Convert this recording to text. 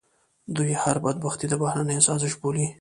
دوی هر بدبختي د بهرنیو سازش بولي.